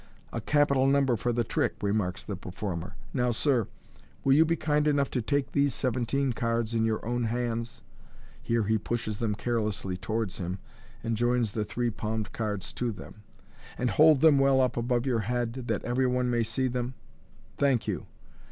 " A capital number for the trick," remarks the performer. " Now, sir, will you be kind enough to take these seventeen cards in your own hands M (here he pushes them carelessly towards him, and joins the three palmed cards to them), " and hold them well up above your head, that every one may see them. Thank you.